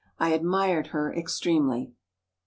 I admired her extremely. 1827.